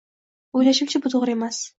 Oʻylashimcha, bu toʻgʻri emas.